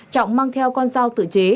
trọng mang theo con sao tự chế